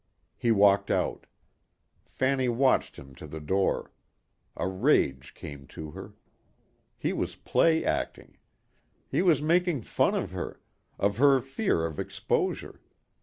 He walked out. Fanny watched him to the door. A rage came to her. He was play acting. He was making fun of her, of her fear of exposure.